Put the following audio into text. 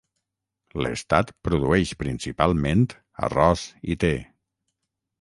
L'estat produeix principalment arròs i te.